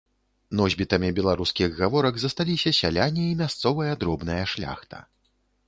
Носьбітамі беларускіх гаворак засталіся сяляне і мясцовая дробная шляхта.